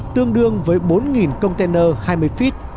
tương đương với bốn container hai mươi feet